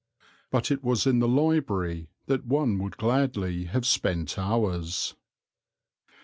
But it was in the library that one would gladly have spent hours.